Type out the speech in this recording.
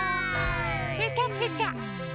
ぺたぺた。